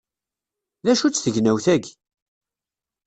D acu-tt tegnawt-agi!